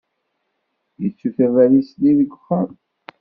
Yettu tabalizt-nni deg wexxam.